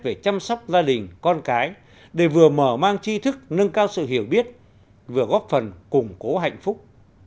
về chăm sóc gia đình con cái để vừa mở mang chi thức nâng cao sự hiểu biết vừa góp phần củng cố hạnh phúc